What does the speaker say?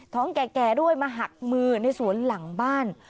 แก่ด้วยมาหักมือในสวนหลังบ้าน